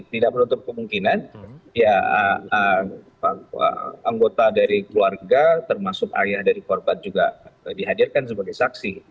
tidak menutup kemungkinan ya anggota dari keluarga termasuk ayah dari korban juga dihadirkan sebagai saksi